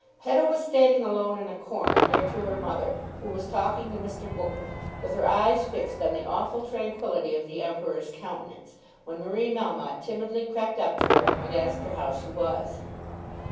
Hetta was standing alone in a corner, near to her mother, who was talking to Mr. Booker, with her eyes fixed on the awful tranquillity of the Emperor's countenance, when Marie Melmotte timidly crept up to her and asked her how she was.